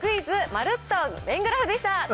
まるっと円グラフでした。